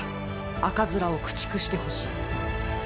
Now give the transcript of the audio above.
赤面を駆逐してほしい！